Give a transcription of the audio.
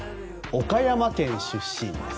岡山県出身です。